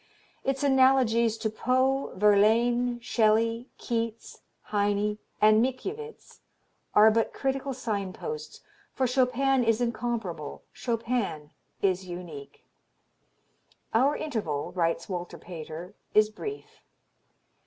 Its analogies to Poe, Verlaine, Shelley, Keats, Heine and Mickiewicz are but critical sign posts, for Chopin is incomparable, Chopin is unique. "Our interval," writes Walter Pater, "is brief."